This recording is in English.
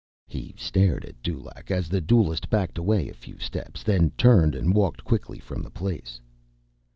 He stared at Dulaq as the duelist backed away a few steps, then turned and walked quickly from the place.